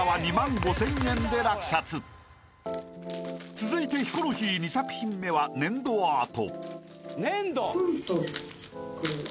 ［続いてヒコロヒー２作品目は粘土アート］